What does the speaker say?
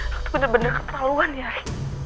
lo tuh bener bener keperluan ya ri